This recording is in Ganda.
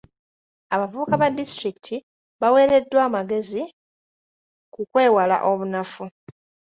Abavubuka ba disitulikiti baweereddwa amagezi ku kwewala obunafu.